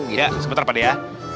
iya sebentar pak deh ya